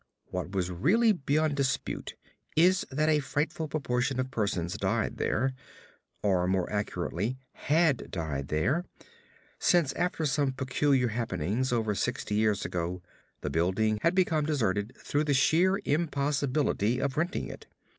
What was really beyond dispute is that a frightful proportion of persons died there; or more accurately, had died there, since after some peculiar happenings over sixty years ago the building had become deserted through the sheer impossibility of renting it.